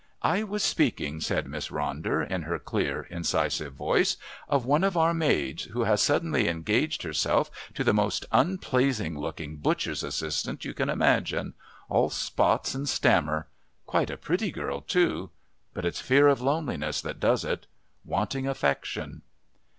"I was speaking," said Miss Ronder in her clear incisive voice, "of one of our maids, who has suddenly engaged herself to the most unpleasing looking butcher's assistant you can imagine all spots and stammer. Quite a pretty girl, too. But it's fear of loneliness that does it. Wanting affection."